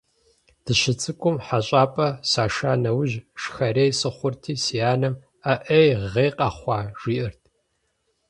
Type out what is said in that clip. Дыщыцӏыкӏум хьэщӏапӏэ саша нэужь шхэрей сыхъурти, си анэм «Аӏей, гъей къэхъуа?», жиӏэрт.